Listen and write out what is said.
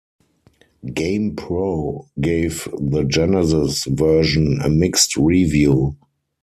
"GamePro" gave the Genesis version a mixed review.